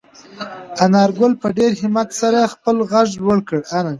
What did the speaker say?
انارګل په ډېر همت سره خپل غږ لوړ کړ.